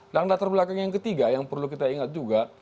terus yang terbelakang yang ketiga yang perlu kita ingat juga